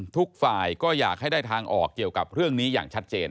ทุกฝ่ายก็อยากให้ได้ทางออกเกี่ยวกับเรื่องนี้อย่างชัดเจน